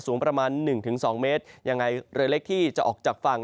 สูงประมาณหนึ่งถึงสองเมตรยังไงเรือเล็กที่จะออกจากฝั่ง